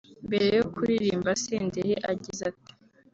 Mbere yo kuririmba Senderi agize ati